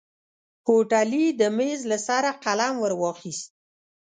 هوټلي د ميز له سره قلم ور واخيست.